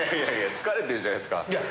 疲れてるじゃないっすか。